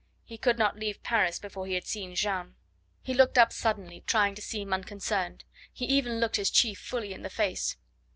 He could not leave Paris before he had seen Jeanne. He looked up suddenly, trying to seem unconcerned; he even looked his chief fully in the face.